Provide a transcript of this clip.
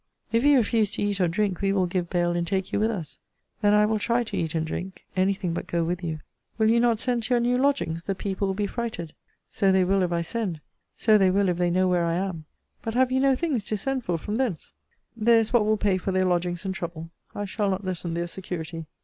If you refuse to eat or drink, we will give bail, and take you with us. Then I will try to eat and drink. Any thing but go with you. Will you not send to your new lodgings; the people will be frighted. So they will, if I send. So they will, if they know where I am. But have you no things to send for from thence? There is what will pay for their lodgings and trouble: I shall not lessen their security.